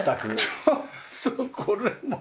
ハハッ！これも。